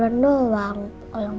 gak peduli doang